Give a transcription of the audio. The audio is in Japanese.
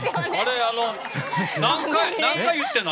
あれ何回言ってんの？